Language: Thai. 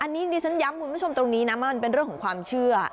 อันนี้ดิฉันย้ำคุณผู้ชมตรงนี้นะว่ามันเป็นเรื่องของความเชื่อ